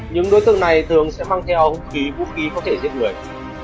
những đối tượng này thường sẽ mang theo hung khí vũ khí có thể giết người